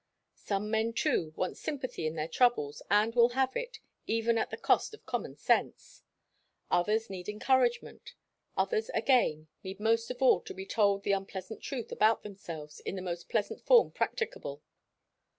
Some men, too, want sympathy in their troubles, and will have it, even at the cost of common sense. Others need encouragement; others, again, need most of all to be told the unpleasant truth about themselves in the most pleasant form practicable.